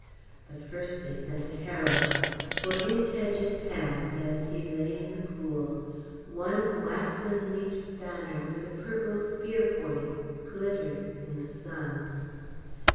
But first they sent a herald; for in Tedge's hand, as he lay in the pool, one waxen leafed banner with a purple spear point glittered in the sun.